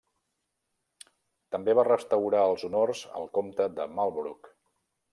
També va restaurar els honors al comte de Marlborough.